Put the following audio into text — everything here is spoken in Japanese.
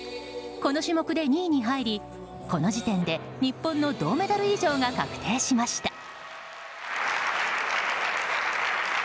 この種目で２位に入りこの時点で日本の銅メダル以上が確定しました。